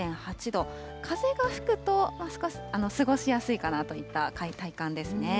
風が吹くと過ごしやすいかなといった体感ですね。